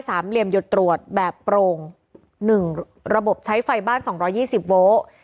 เหลี่ยมหยดตรวจแบบโปร่งหนึ่งระบบใช้ไฟบ้านสองร้อยยี่สิบโวลต์